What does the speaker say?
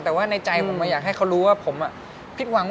แต่ว่าในใจผมอยากให้เขารู้ว่าผมผิดหวัง